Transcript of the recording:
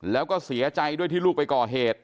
แล้วก็เสียใจด้วยที่ลูกไปก่อเหตุ